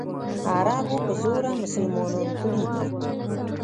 عربو په زوره مسلمانان کړي دي.